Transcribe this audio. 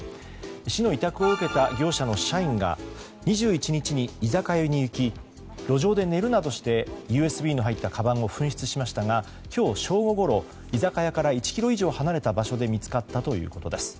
市の委託を受けた業者の社員が２１日に居酒屋に行き路上で寝るなどしてＵＳＢの入ったかばんを紛失しましたが今日正午ごろ、居酒屋から１ｋｍ以上離れた場所で見つかったということです。